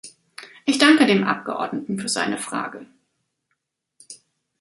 Ich danke dem Abgeordneten für seine Frage.